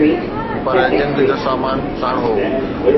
پر جنگ جو سامان ساڻ هو.